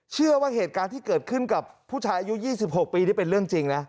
เชื่อว่าเหตุการณ์ที่เกิดขึ้นกับผู้ชายอายุ๒๖ปีนี่เป็นเรื่องจริงนะ